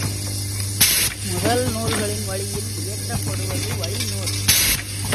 முதல் நூல்களின் வழியில் இயற்றப்படுவது வழி நூல்.